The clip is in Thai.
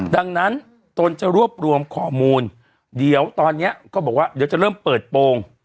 ดังนั้นตนจะรวบรวมข้อมูลเดี๋ยวตอนนี้ก็บอกว่าเดี๋ยวจะเริ่มเปิดโปรง